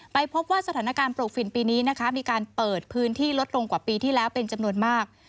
พบว่าสถานการณ์ปลูกฝิ่นปีนี้นะคะมีการเปิดพื้นที่ลดลงกว่าปีที่แล้วเป็นจำนวนมาก